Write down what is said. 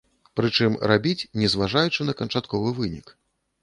Прычым, рабіць, не зважаючы на канчатковы вынік.